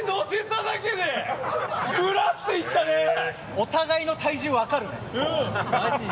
お互いの体重分かるね。